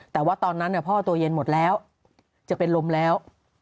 แต่ว่าตอนนั้นพ่อตัวเย็นหมดแล้วจะเป็นลมแล้ว